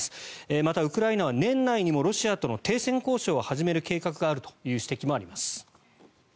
また、ウクライナは年内にもロシアとの停戦交渉を始める計画があるという指摘もあります。